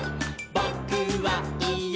「ぼ・く・は・い・え！